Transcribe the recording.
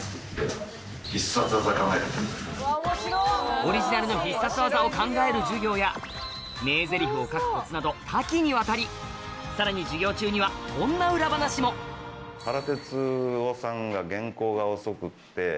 オリジナルの必殺技を考える授業や名ゼリフを書くコツなど多岐にわたりさらに授業中にはこんな裏話も原哲夫さんが。